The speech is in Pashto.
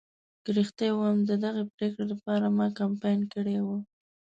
که رښتیا ووایم ددغې پرېکړې لپاره ما کمپاین کړی و.